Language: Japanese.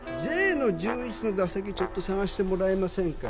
Ｊ−１１の座席ちょっと探してもらえませんか？